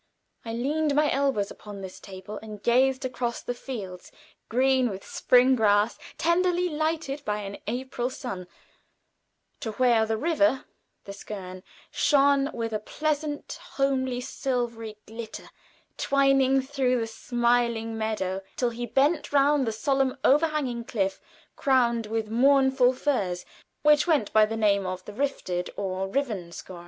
I leaned my elbows upon this table, and gazed across the fields, green with spring grass, tenderly lighted by an April sun, to where the river the Skern shone with a pleasant, homely, silvery glitter, twining through the smiling meadows till he bent round the solemn overhanging cliff crowned with mournful firs, which went by the name of the Rifted or Riven Scaur.